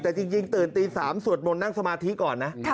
แต่จริงตื่นตี๓สวดมนต์นั่งสมาธิก่อนนะ